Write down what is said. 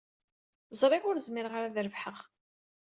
Ẓriɣ ur zmireɣ ara ad rebḥeɣ.